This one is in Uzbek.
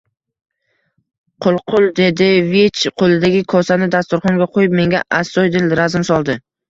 Qulqul Davedivich qo‘lidagi kosani dasturxonga qo‘yib, menga astoydil razm soldi: